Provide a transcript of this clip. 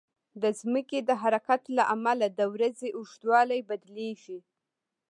د ځمکې د حرکت له امله د ورځې اوږدوالی بدلېږي.